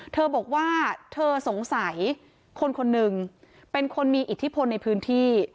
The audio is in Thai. เธอบอกว่าเธอสงสัยคนคนหนึ่งเป็นคนมีอิทธิพลในพื้นที่